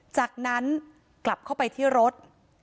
จากนั้นกลับเข้าไปที่รถ